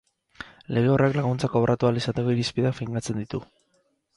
Lege horrek laguntzak kobratu ahal izateko irizpideak finkatzen ditu.